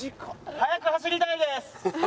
早く走りたいです。